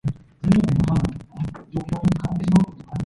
Both have since been rebuilt.